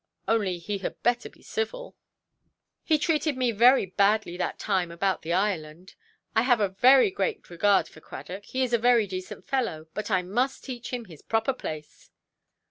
Only he had better be civil. He treated me very badly that time about the Ireland. I have a very great regard for Cradock; he is a very decent fellow; but I must teach him his proper place".